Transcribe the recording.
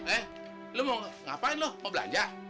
eh lo mau ngapain lo mau belanja